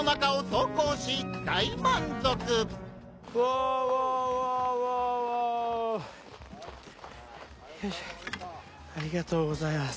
ありがとうございます。